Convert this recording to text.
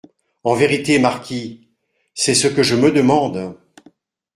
En vérité, marquis, c'est ce que je me demande.